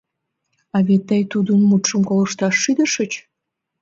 — А вет тый тудын мутшым колышташ шӱдышыч?